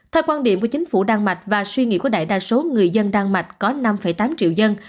theo quan điểm của chính phủ đan mạch và suy nghĩ của đại đa số người dân đan mạch có năm tám triệu dân